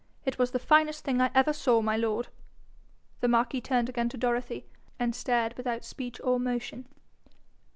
It was the finest thing I ever saw, my lord.' The marquis turned again to Dorothy, and stared without speech or motion.